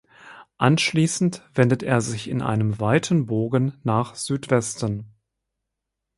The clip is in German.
Anschließend wendet er sich in einem weiten Bogen nach Südwesten.